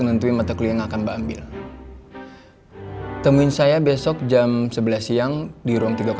menentui mata kuliah yang akan mbak ambil temuin saya besok jam sebelas siang di ruang tiga ratus satu ya iya iya